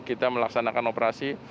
kita melaksanakan operasi